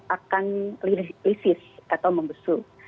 akan lisis atau membusuk